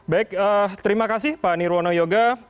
baik terima kasih pak nirwono yoga